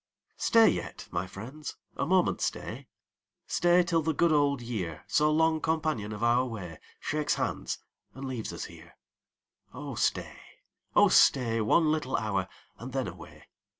Stat yet, my friends, a moment stay — Stay till the good old year, So long companion of our way, Shakes hands, and leaves ns here. Oh stay, oh stay. One little hour, and then away.